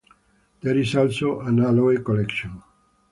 There is also an aloe collection.